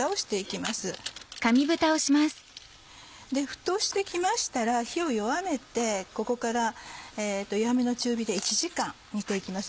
沸騰して来ましたら火を弱めてここから弱めの中火で１時間煮て行きます。